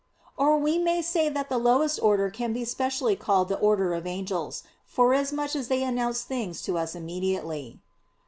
Or we may say that the lowest order can be specially called the order of "angels," forasmuch as they announce things to us immediately.